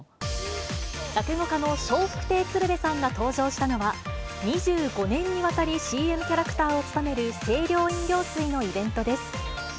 落語家の笑福亭鶴瓶さんが登場したのは、２５年にわたり、ＣＭキャラクターを務める清涼飲料水のイベントです。